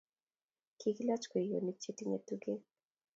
Kiki lach kweyonik che tinyei tugek